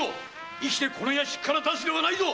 生きてこの屋敷から出すではないぞ！